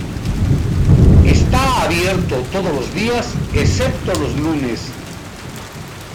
Está abierto todos los días excepto los lunes.